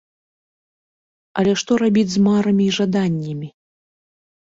Але што рабіць з марамі і жаданнямі?